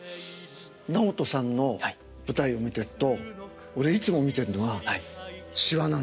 直人さんの舞台を見てると俺いつも見てるのはしわなんです。